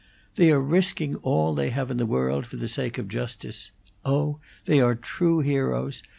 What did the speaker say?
They are risking all they have in the world for the sake of justice! Oh, they are true heroes!